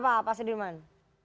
apa pak sudirman